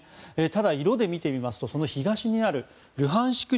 ただ色で見てみますとその東にあるルハンシク